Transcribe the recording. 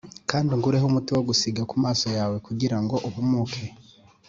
kandi ungureho umuti wo gusīga ku maso yawe kugira ngo uhumuke.